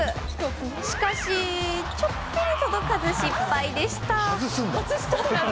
しかし、ちょっぴり届かず失敗でした。